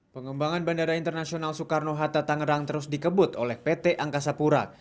pengembangan bandara internasional soekarno hatta tangerang terus dikebut oleh pt angkasa pura